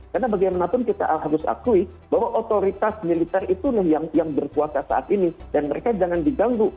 karena bagaimanapun kita harus akui bahwa otoritas militer itu yang berkuasa saat ini dan mereka jangan diganggu